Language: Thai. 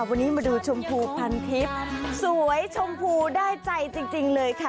วันนี้มาดูชมพูพันทิพย์สวยชมพูได้ใจจริงเลยค่ะ